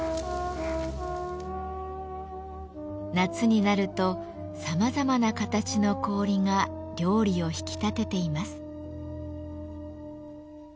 夏になるとさまざまな形の氷が料理を引き立てています。